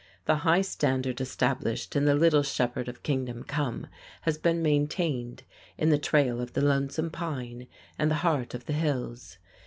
The high standard established in "The Little Shepherd of Kingdom Come" has been maintained in "The Trail of the Lonesome Pine" and "The Heart of the Hills."